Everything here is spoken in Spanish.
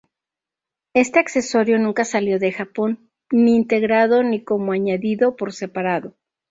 Este accesorio nunca salió de Japón, ni integrado ni como añadido por separado.